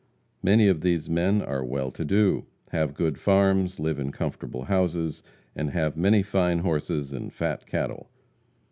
Many of these men are well to do; have good farms, live in comfortable houses, and have many fine horses and fat cattle.